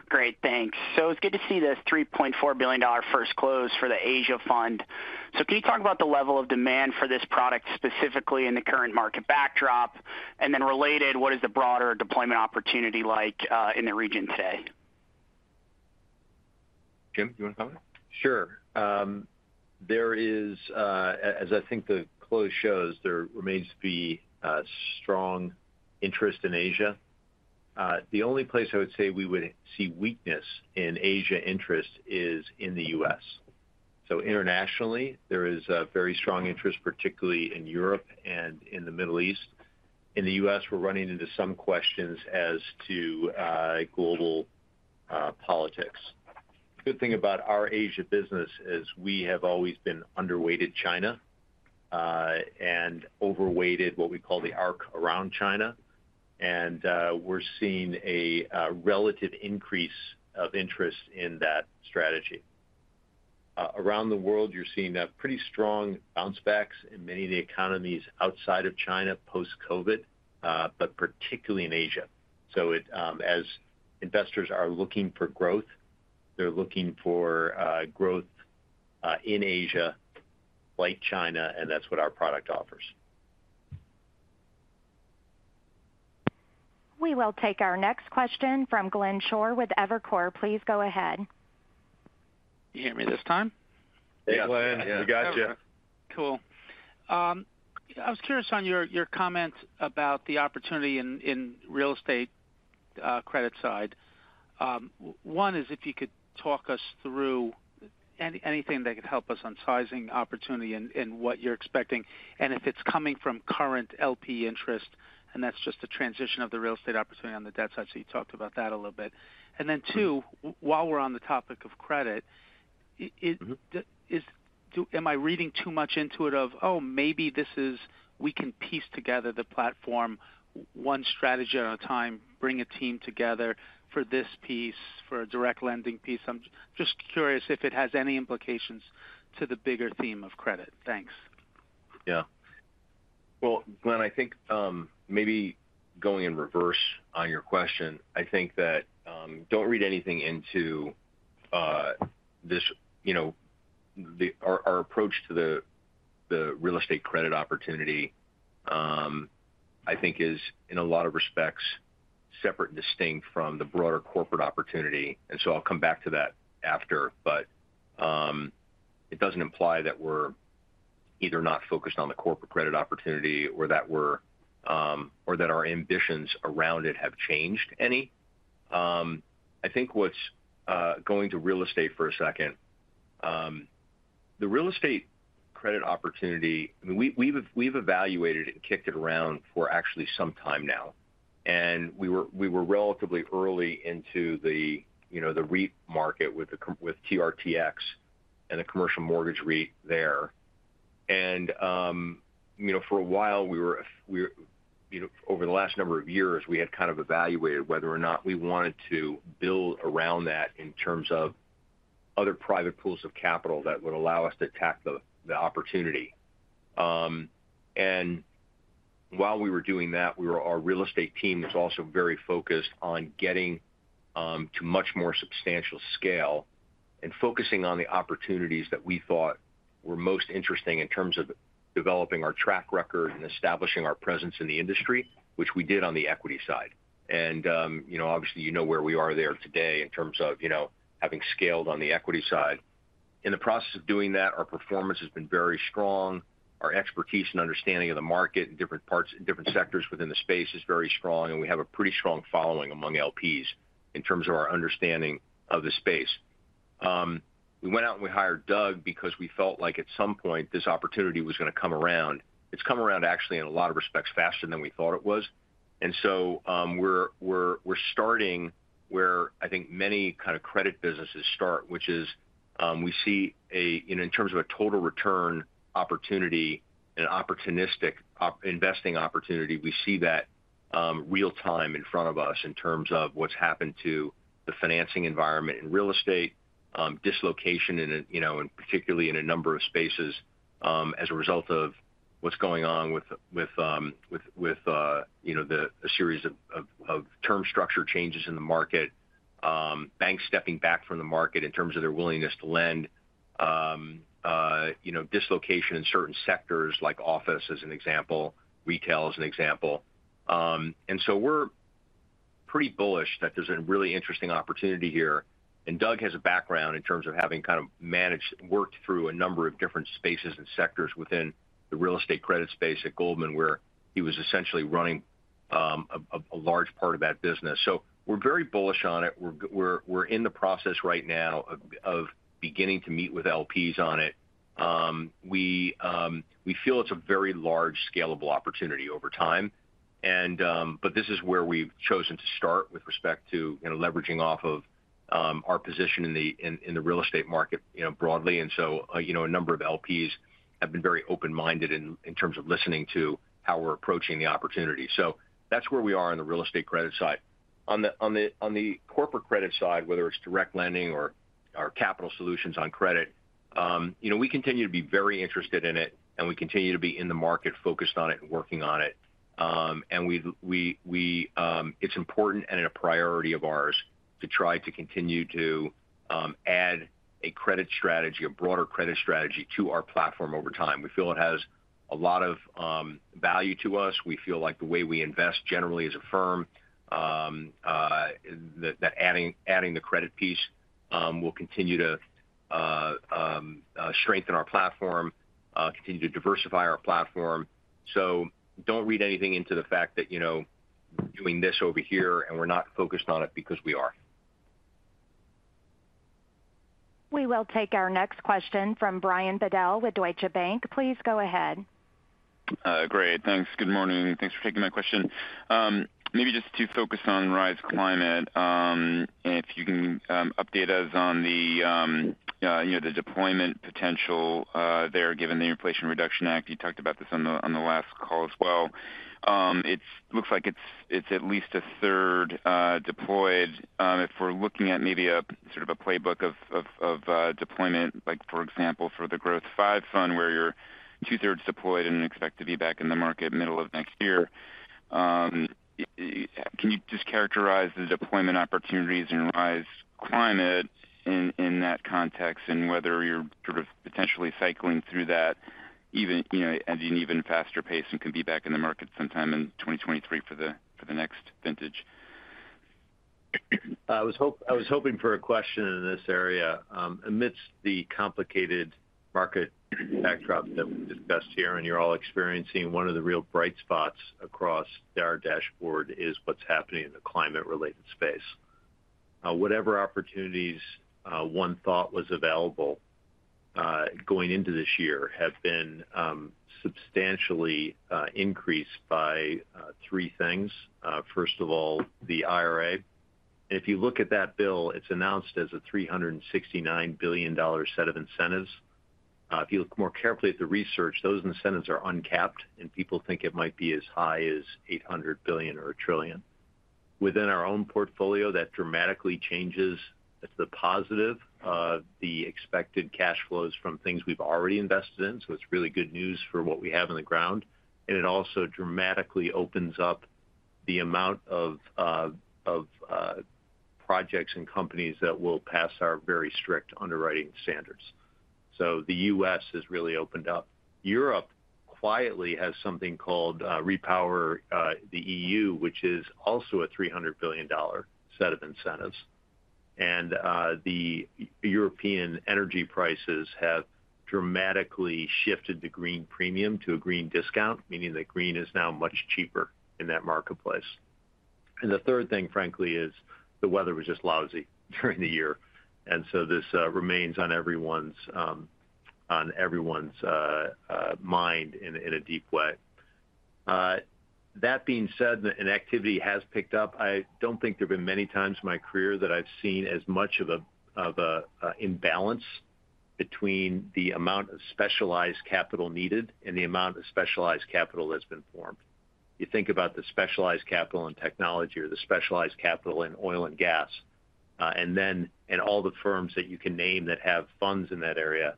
Great, thanks. It's good to see this $3.4 billion first close for the Asia fund. Can you talk about the level of demand for this product, specifically in the current market backdrop? Related, what is the broader deployment opportunity like, in the region today? Jim, do you wanna comment? Sure. There is, as I think the close shows, there remains to be a strong interest in Asia. The only place I would say we would see weakness in Asia interest is in the U.S. Internationally, there is a very strong interest, particularly in Europe and in the Middle East. In the U.S., we're running into some questions as to global politics. Good thing about our Asia business is we have always been underweighted China and overweighted what we call the arc around China. We're seeing a relative increase of interest in that strategy. Around the world, you're seeing pretty strong bounce backs in many of the economies outside of China post-COVID, but particularly in Asia. As investors are looking for growth, they're looking for growth in Asia, like China, and that's what our product offers. We will take our next question from Glenn Schorr with Evercore. Please go ahead. You hear me this time? Hey, Glenn. We got you. Cool. I was curious on your comment about the opportunity in real estate credit side. One is if you could talk us through anything that could help us on sizing opportunity and what you're expecting, and if it's coming from current LP interest, and that's just a transition of the real estate opportunity on the debt side. You talked about that a little bit. Two, while we're on the topic of credit, is- Mm-hmm Am I reading too much into it of, oh, maybe this is we can piece together the platform one strategy at a time, bring a team together for this piece, for a direct lending piece. I'm just curious if it has any implications to the bigger theme of credit. Thanks. Yeah. Well, Glenn, I think maybe going in reverse on your question, I think that don't read anything into this, you know, our approach to the real estate credit opportunity I think is in a lot of respects separate and distinct from the broader corporate opportunity. I'll come back to that after. It doesn't imply that we're either not focused on the corporate credit opportunity or that we're or that our ambitions around it have changed any. I think what's going to real estate for a second, the real estate credit opportunity, I mean, we've evaluated it and kicked it around for actually some time now. We were relatively early into you know, the REIT market with TRTX and the commercial mortgage REIT there. You know, for a while, we were, you know, over the last number of years, we had kind of evaluated whether or not we wanted to build around that in terms of other private pools of capital that would allow us to attack the opportunity. While we were doing that, our real estate team was also very focused on getting to much more substantial scale and focusing on the opportunities that we thought were most interesting in terms of developing our track record and establishing our presence in the industry, which we did on the equity side. You know, obviously, you know where we are there today in terms of, you know, having scaled on the equity side. In the process of doing that, our performance has been very strong. Our expertise and understanding of the market in different sectors within the space is very strong, and we have a pretty strong following among LPs in terms of our understanding of the space. We went out and we hired Doug because we felt like at some point this opportunity was gonna come around. It's come around actually in a lot of respects, faster than we thought it was. We're starting where I think many kind of credit businesses start, which is, we see a, in terms of a total return opportunity and opportunistic investing opportunity, we see that, real-time in front of us in terms of what's happened to the financing environment in real estate, dislocation in a, you know, and particularly in a number of spaces, as a result of what's going on with, you know, a series of term structure changes in the market, banks stepping back from the market in terms of their willingness to lend, you know, dislocation in certain sectors like office as an example, retail as an example. We're pretty bullish that there's a really interesting opportunity here. Doug has a background in terms of having kind of worked through a number of different spaces and sectors within the real estate credit space at Goldman, where he was essentially running a large part of that business. We're very bullish on it. We're in the process right now of beginning to meet with LPs on it. We feel it's a very large scalable opportunity over time. This is where we've chosen to start with respect to, you know, leveraging off of our position in the real estate market, you know, broadly. You know, a number of LPs have been very open-minded in terms of listening to how we're approaching the opportunity. That's where we are on the real estate credit side. On the corporate credit side, whether it's direct lending or our capital solutions on credit, you know, we continue to be very interested in it, and we continue to be in the market focused on it and working on it. It's important and a priority of ours to try to continue to add a credit strategy, a broader credit strategy to our platform over time. We feel it has a lot of value to us. We feel like the way we invest generally as a firm, that adding the credit piece will continue to strengthen our platform, continue to diversify our platform. Don't read anything into the fact that, you know, doing this over here, and we're not focused on it because we are. We will take our next question from Brian Bedell with Deutsche Bank. Please go ahead. Great. Thanks. Good morning, and thanks for taking my question. Maybe just to focus on Rise Climate, if you can, update us on the, you know, the deployment potential, there, given the Inflation Reduction Act. You talked about this on the last call as well. It looks like it's at least a third deployed. If we're looking at maybe a sort of a playbook of deployment, like for example, for the Growth V fund, where you're two-thirds deployed and expect to be back in the market middle of next year. Can you just characterize the deployment opportunities in Rise Climate in that context and whether you're sort of potentially cycling through that even, you know, at an even faster pace and can be back in the market sometime in 2023 for the next vintage? I was hoping for a question in this area. Amidst the complicated market backdrop that we discussed here, and you're all experiencing, one of the real bright spots across our dashboard is what's happening in the climate-related space. Whatever opportunities one thought was available going into this year have been substantially increased by three things. First of all, the IRA. If you look at that bill, it's announced as a $369 billion set of incentives. If you look more carefully at the research, those incentives are uncapped, and people think it might be as high as $800 billion or $1 trillion. Within our own portfolio, that dramatically changes the positive of the expected cash flows from things we've already invested in, so it's really good news for what we have in the ground. It also dramatically opens up the amount of projects and companies that will pass our very strict underwriting standards. The U.S. has really opened up. Europe quietly has something called REPowerEU, which is also a $300 billion set of incentives. The European energy prices have dramatically shifted the green premium to a green discount, meaning that green is now much cheaper in that marketplace. The third thing, frankly, is the weather was just lousy during the year, and so this remains on everyone's mind in a deep way. That being said, activity has picked up. I don't think there have been many times in my career that I've seen as much of a imbalance between the amount of specialized capital needed and the amount of specialized capital that's been formed. You think about the specialized capital in technology or the specialized capital in oil and gas, and then all the firms that you can name that have funds in that area,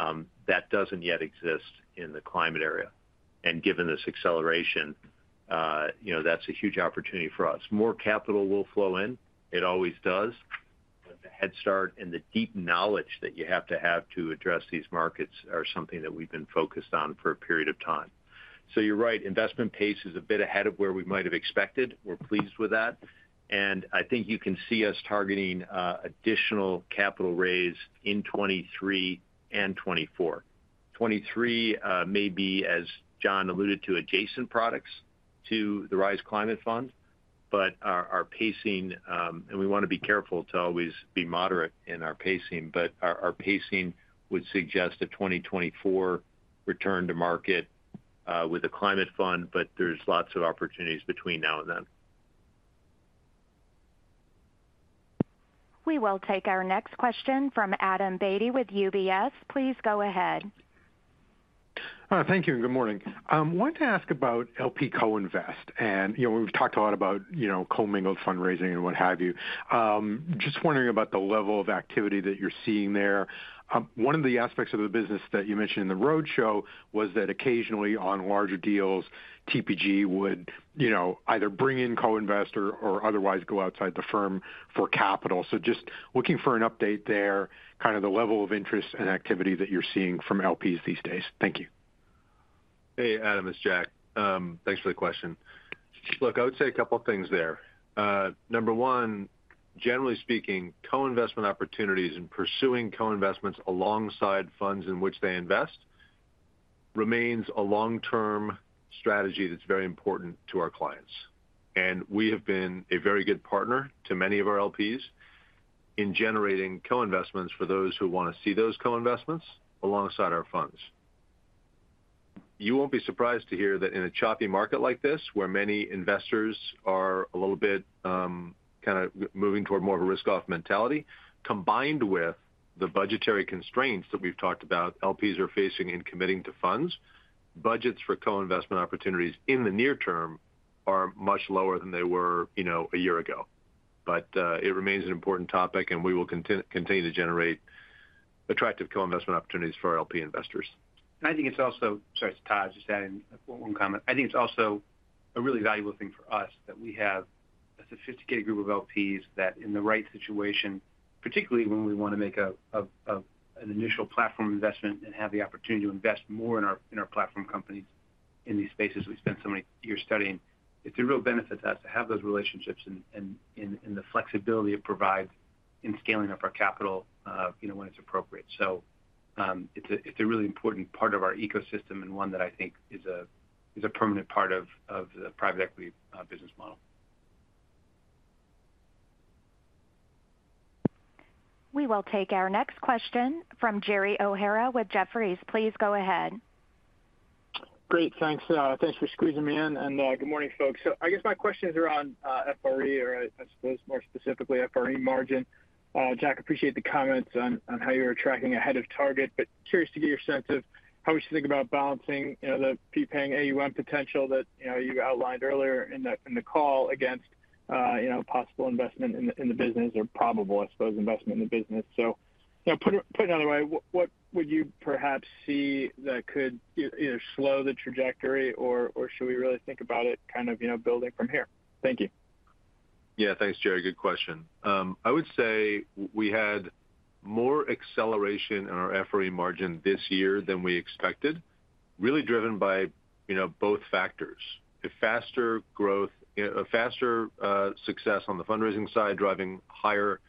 that doesn't yet exist in the climate area. Given this acceleration, you know, that's a huge opportunity for us. More capital will flow in. It always does. But the head start and the deep knowledge that you have to have to address these markets are something that we've been focused on for a period of time. You're right, investment pace is a bit ahead of where we might have expected. We're pleased with that. I think you can see us targeting additional capital raise in 2023 and 2024. 2023 may be, as Jon alluded to, adjacent products to the Rise Climate Fund. Our pacing and we want to be careful to always be moderate in our pacing, but our pacing would suggest a 2024 return to market with the climate fund, but there's lots of opportunities between now and then. We will take our next question from Adam Beatty with UBS. Please go ahead. Thank you and good morning. Wanted to ask about LP co-invest. You know, we've talked a lot about, you know, commingled fundraising and what have you. Just wondering about the level of activity that you're seeing there. One of the aspects of the business that you mentioned in the roadshow was that occasionally on larger deals, TPG would, you know, either bring in co-invest or otherwise go outside the firm for capital. Just looking for an update there, kind of the level of interest and activity that you're seeing from LPs these days. Thank you. Hey, Adam, it's Jack. Thanks for the question. Look, I would say a couple of things there. Number one, generally speaking, co-investment opportunities and pursuing co-investments alongside funds in which they invest remains a long-term strategy that's very important to our clients. We have been a very good partner to many of our LPs in generating co-investments for those who wanna see those co-investments alongside our funds. You won't be surprised to hear that in a choppy market like this, where many investors are a little bit, kinda moving toward more of a risk-off mentality, combined with the budgetary constraints that we've talked about, LPs are facing in committing to funds, budgets for co-investment opportunities in the near term are much lower than they were, you know, a year ago. It remains an important topic, and we will continue to generate attractive co-investment opportunities for our LP investors. I think it's also... Sorry, it's Todd, just adding one comment. I think it's also a really valuable thing for us that we have a sophisticated group of LPs that in the right situation, particularly when we wanna make an initial platform investment and have the opportunity to invest more in our platform companies in these spaces we spent so many years studying. It's a real benefit to us to have those relationships and the flexibility it provides in scaling up our capital, you know, when it's appropriate. It's a really important part of our ecosystem and one that I think is a permanent part of the private equity business model. We will take our next question from Gerry O'Hara with Jefferies. Please go ahead. Great, thanks. Thanks for squeezing me in, and good morning, folks. I guess my questions are on FRE, or I suppose more specifically, FRE margin. Jack, appreciate the comments on how you're tracking ahead of target, but curious to get your sense of how we should think about balancing, you know, the fee paying AUM potential that, you know, you outlined earlier in the call against, you know, possible investment in the business or probable, I suppose, investment in the business. You know, put another way, what would you perhaps see that could either slow the trajectory or should we really think about it kind of, you know, building from here? Thank you. Yeah, thanks, Gerry. Good question. I would say we had more acceleration in our FRE margin this year than we expected, really driven by, you know, both factors. The faster growth, a faster success on the fundraising side, driving higher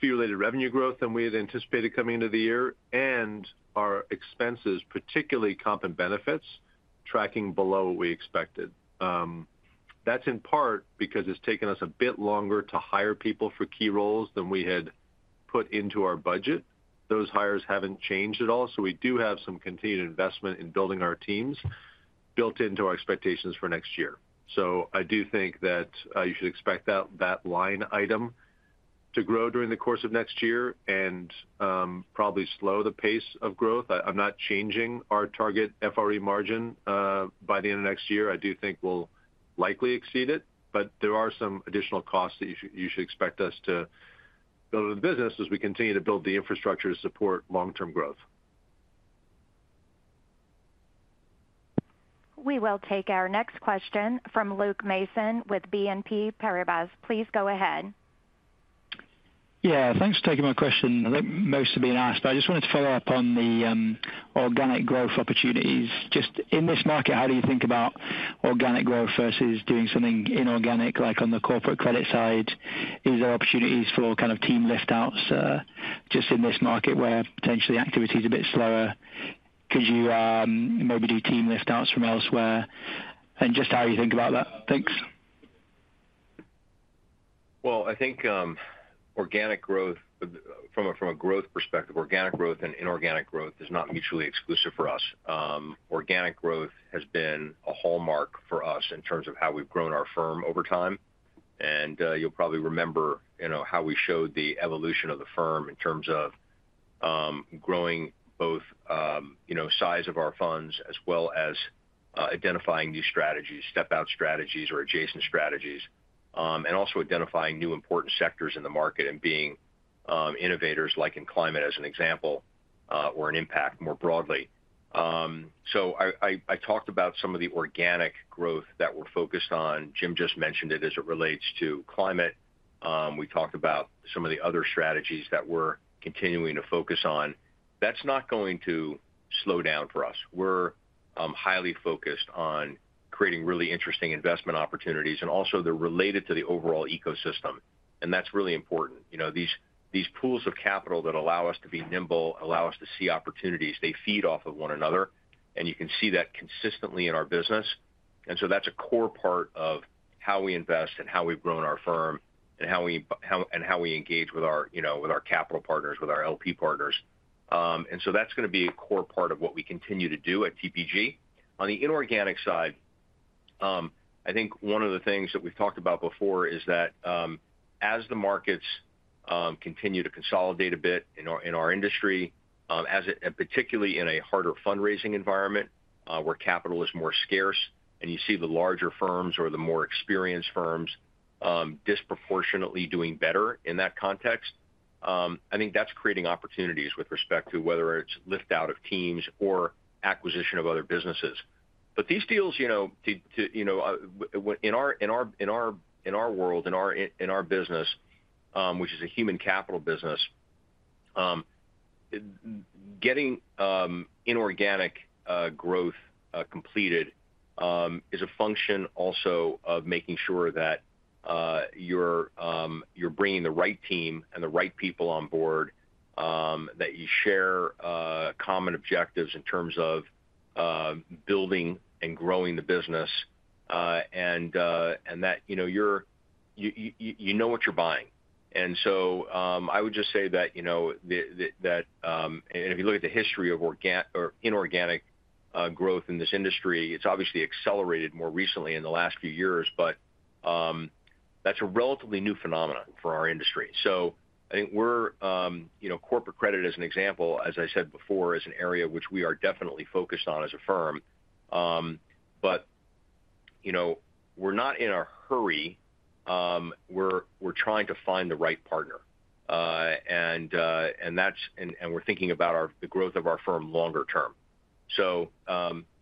fee-related revenue growth than we had anticipated coming into the year, and our expenses, particularly comp and benefits, tracking below what we expected. That's in part because it's taken us a bit longer to hire people for key roles than we had put into our budget. Those hires haven't changed at all, so we do have some continued investment in building our teams built into our expectations for next year. I do think that you should expect that line item to grow during the course of next year and probably slow the pace of growth. I'm not changing our target FRE margin by the end of next year. I do think we'll likely exceed it, but there are some additional costs that you should expect us to build in the business as we continue to build the infrastructure to support long-term growth. We will take our next question from Luke Mason with BNP Paribas. Please go ahead. Yeah, thanks for taking my question. I think most have been asked, but I just wanted to follow up on the organic growth opportunities. Just in this market, how do you think about organic growth versus doing something inorganic, like on the corporate credit side? Is there opportunities for kind of team lift outs, just in this market where potentially activity is a bit slower? Could you maybe do team lift outs from elsewhere? Just how you think about that. Thanks. Well, I think, from a growth perspective, organic growth and inorganic growth is not mutually exclusive for us. Organic growth has been a hallmark for us in terms of how we've grown our firm over time. You'll probably remember, you know, how we showed the evolution of the firm in terms of growing both, you know, size of our funds as well as identifying new strategies, step out strategies or adjacent strategies, and also identifying new important sectors in the market and being innovators like in climate as an example, or in impact more broadly. I talked about some of the organic growth that we're focused on. Jim just mentioned it as it relates to climate. We talked about some of the other strategies that we're continuing to focus on. That's not going to slow down for us. We're highly focused on creating really interesting investment opportunities, and also they're related to the overall ecosystem, and that's really important. You know, these pools of capital that allow us to be nimble, allow us to see opportunities, they feed off of one another, and you can see that consistently in our business. That's a core part of how we invest and how we've grown our firm and how we engage with our capital partners, with our LP partners. That's gonna be a core part of what we continue to do at TPG. On the inorganic side, I think one of the things that we've talked about before is that, as the markets continue to consolidate a bit in our industry, and particularly in a harder fundraising environment, where capital is more scarce, and you see the larger firms or the more experienced firms, disproportionately doing better in that context, I think that's creating opportunities with respect to whether it's lift out of teams or acquisition of other businesses. These deals, you know, in our world, in our business, which is a human capital business, getting inorganic growth completed is a function also of making sure that you're bringing the right team and the right people on board, that you share common objectives in terms of building and growing the business, and that you know what you're buying. I would just say that, you know, and if you look at the history of inorganic growth in this industry, it's obviously accelerated more recently in the last few years, but that's a relatively new phenomenon for our industry. I think we're, you know, corporate credit, as an example, as I said before, is an area which we are definitely focused on as a firm. You know, we're not in a hurry. We're trying to find the right partner. We're thinking about the growth of our firm longer term. You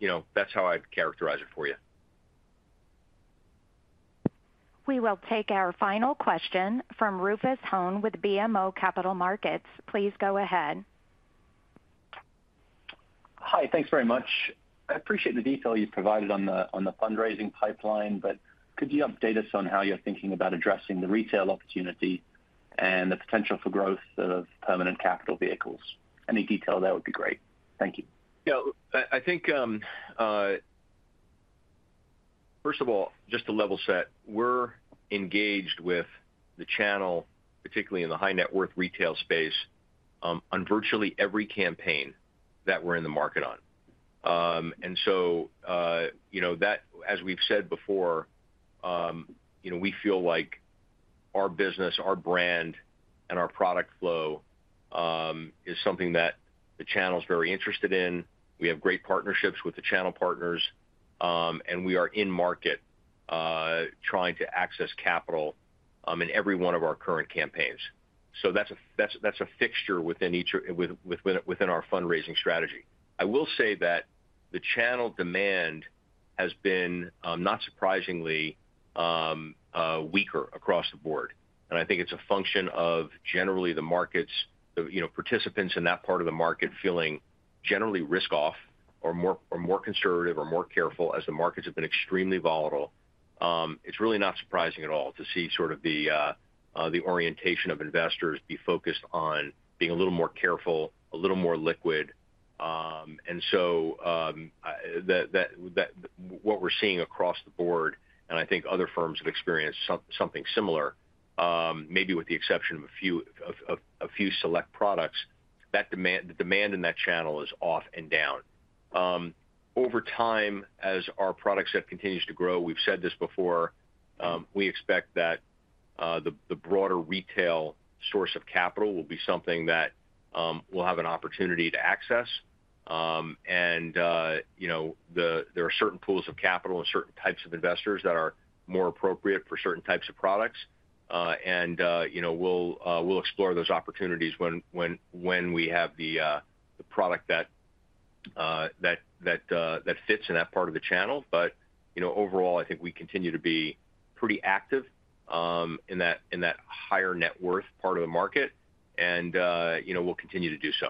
know, that's how I'd characterize it for you. We will take our final question from Rufus Hone with BMO Capital Markets. Please go ahead. Hi. Thanks very much. I appreciate the detail you've provided on the fundraising pipeline, but could you update us on how you're thinking about addressing the retail opportunity? The potential for growth of permanent capital vehicles. Any detail there would be great. Thank you. Yeah, I think, first of all, just to level set, we're engaged with the channel, particularly in the high net worth retail space, on virtually every campaign that we're in the market on. You know that as we've said before, you know, we feel like our business, our brand, and our product flow is something that the channel's very interested in. We have great partnerships with the channel partners, and we are in market, trying to access capital, in every one of our current campaigns. That's a fixture within our fundraising strategy. I will say that the channel demand has been, not surprisingly, weaker across the board. I think it's a function of generally the markets, you know, participants in that part of the market feeling generally risk off or more conservative or more careful as the markets have been extremely volatile. It's really not surprising at all to see the orientation of investors be focused on being a little more careful, a little more liquid. That what we're seeing across the board, I think other firms have experienced something similar, maybe with the exception of a few select products, the demand in that channel is off and down. Over time, as our product set continues to grow, we've said this before, we expect that the broader retail source of capital will be something that we'll have an opportunity to access. You know, there are certain pools of capital and certain types of investors that are more appropriate for certain types of products. You know, we'll explore those opportunities when we have the product that fits in that part of the channel. You know, overall, I think we continue to be pretty active in that higher net worth part of the market. You know, we'll continue to do so.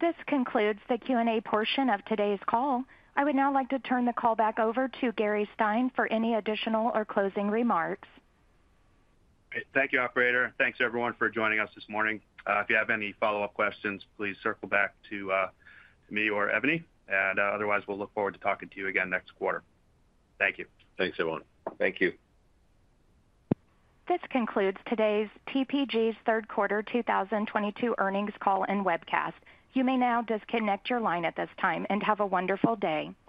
This concludes the Q&A portion of today's call. I would now like to turn the call back over to Gary Stein for any additional or closing remarks. Great. Thank you, operator. Thanks everyone for joining us this morning. If you have any follow-up questions, please circle back to me or Ebony, and otherwise, we'll look forward to talking to you again next quarter. Thank you. Thanks, everyone. Thank you. This concludes today's TPG's third quarter 2022 earnings call and webcast. You may now disconnect your line at this time, and have a wonderful day.